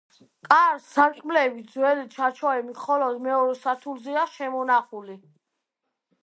კარ-სარკმლები ძველი ჩარჩოები მხოლოდ მეორე სართულზეა შემონახული.